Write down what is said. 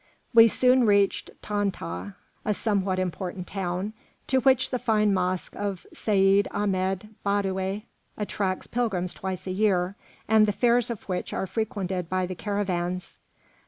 We soon reached Tantah, a somewhat important town, to which the fine mosque of Seyd Ahmed Badouy attracts pilgrims twice a year, and the fairs of which are frequented by the caravans.